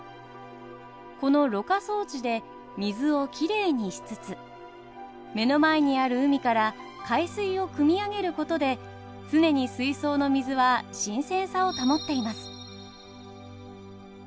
このろ過装置で水をきれいにしつつ目の前にある海から海水をくみ上げることで常に水槽の水は新鮮さを保っています。